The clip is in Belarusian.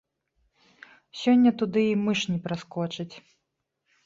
Сёння туды і мыш не праскочыць.